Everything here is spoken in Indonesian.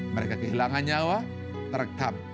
mereka kehilangan nyawa terekam